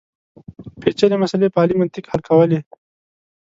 پېچلې مسلې په عالي منطق حل کولې.